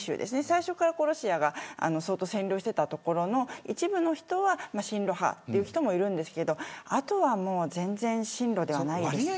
最初からロシアが相当占領していた所の一部の人は親露派という人もいますがあとは全然親露ではないです。